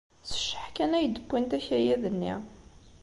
S cceḥ kan ay d-wwint akayad-nni.